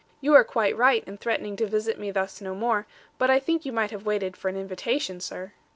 You are quite right in threatening to visit me thus no more; but I think you might have waited for an invitation, sir.'